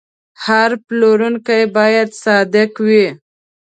هر پلورونکی باید صادق وي.